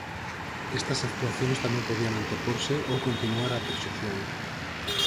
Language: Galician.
Estas actuacións tamén podían anteporse ou continuar a proxección.